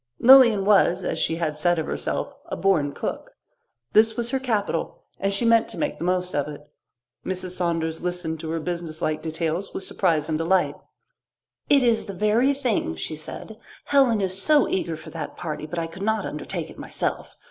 Lilian was, as she had said of herself, "a born cook." This was her capital, and she meant to make the most of it. Mrs. Saunders listened to her businesslike details with surprise and delight. "It is the very thing," she said. "Helen is so eager for that party, but I could not undertake it myself.